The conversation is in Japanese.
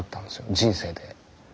人生で。